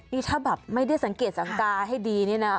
นี่ถ้าแบบไม่ได้สังเกตสังกาให้ดีนี่นะ